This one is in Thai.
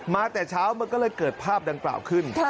แต่เช้ามันก็เลยเกิดภาพดังกล่าวขึ้น